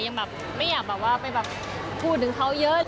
ยังแบบไม่อยากแบบว่าไปแบบพูดถึงเขาเยอะ